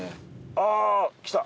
あぁ来た。